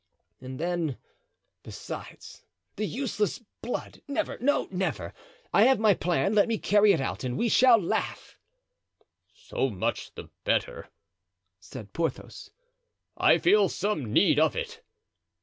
And then, besides, the useless blood! never! no, never! I have my plan; let me carry it out and we shall laugh." "So much the better," said Porthos; "I feel some need of it."